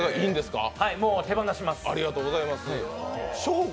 もう手放します。